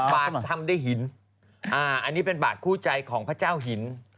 บาททำด้วยหินอันนี้เป็นบาทคู่ใจของพระเจ้าหิน